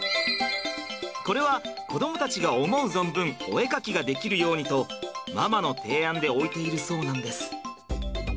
これは子どもたちが思う存分お絵かきができるようにとママの提案で置いているそうなんです。